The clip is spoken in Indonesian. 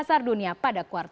dan yang kita lihat dari klip ini